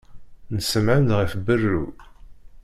Nsemɛen-d ɣef berru.